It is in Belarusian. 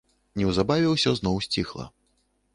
Неўзабаве ўсё зноў сціхла.